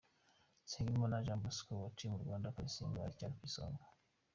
Nsengimana Jean Bosco wa Team Rwanda Karisimbi aracyari ku isonga.